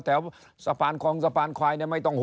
แถวสะพานคลองสะพานควาย